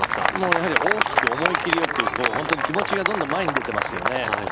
やはり大きく、思い切りよく気持ちがどんどん前に出てますよね。